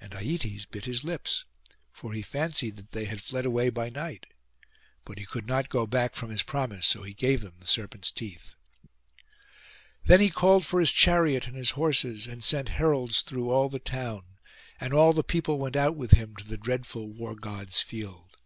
And Aietes bit his lips, for he fancied that they had fled away by night: but he could not go back from his promise; so he gave them the serpents' teeth. Then he called for his chariot and his horses, and sent heralds through all the town; and all the people went out with him to the dreadful War god's field.